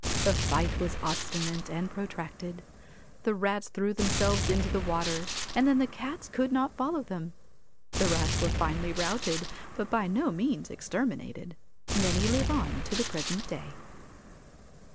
The fight was obstinate and protracted. The rats threw them selves into the water and then the cats could not follow them. The rats were finally routed, but by no means exterminated. Many live on to the present day.